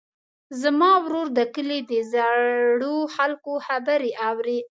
زما ورور د کلي د زړو خلکو خبرې اوري.